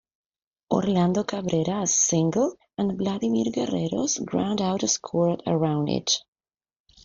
Orlando Cabrera's single and Vladimir Guerrero's groundout scored a run each.